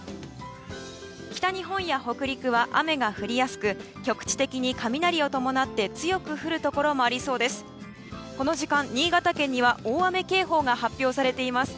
北日本や北陸は雨が降りやすく局地的に雷を伴って強く降るところもありそうです。